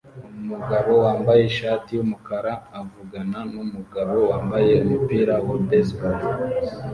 Umugabo wambaye ishati yumukara avugana numugabo wambaye umupira wa baseball